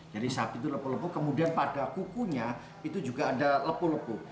jadi sapi itu lepuh lepuh kemudian pada kukunya itu juga ada lepuh lepuh